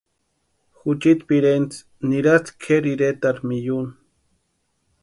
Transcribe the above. Juchiti pirentsï nirasti kʼeri iretarhu miyuni.